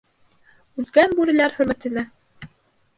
Үлгән бүреләр хөрмәтенә...